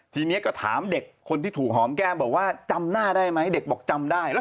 ทีนี้ก็ถามเด็กคนที่ถูกหอมแก้มบอกว่าจำหน้าได้ไหมเด็กบอกจำได้แล้ว